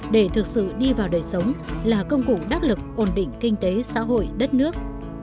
để thực sự đi vào đời sống là công cụ đắc lực ổn định kinh tế xã hội đất nước